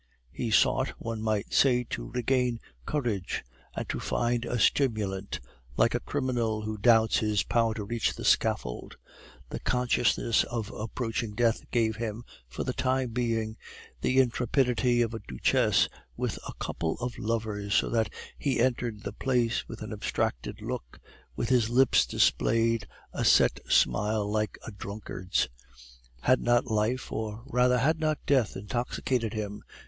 He sought, one might say, to regain courage and to find a stimulant, like a criminal who doubts his power to reach the scaffold. The consciousness of approaching death gave him, for the time being, the intrepidity of a duchess with a couple of lovers, so that he entered the place with an abstracted look, while his lips displayed a set smile like a drunkard's. Had not life, or rather had not death, intoxicated him?